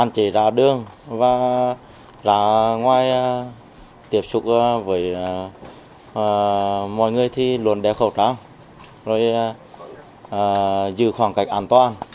chỉ ra đường và ra ngoài tiếp xúc với mọi người thì luôn đeo khẩu trang rồi giữ khoảng cách an toàn